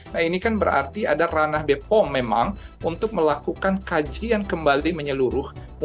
nah ini kan berarti ada ranah bepom memang untuk melakukan kajian kembali menyeluruh